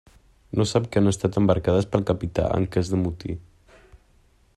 No sap que han estat embarcades pel capità en cas de motí.